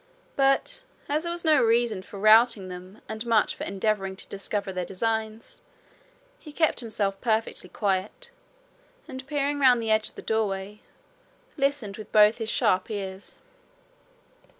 but as there was no reason for routing them and much for endeavouring to discover their designs, he kept himself perfectly quiet, and peering round the edge of the doorway, listened with both his sharp ears.